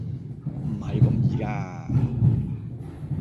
唔係咁易㗎